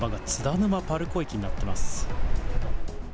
ぬまパルコ駅になっています。